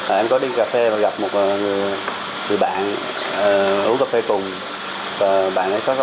em có đi cà phê và gặp một người bạn uống cà phê cùng bạn ấy có bảo là hôm nay có bạn ở xa về khu vực em chơi